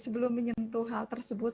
sebelum menyentuh hal tersebut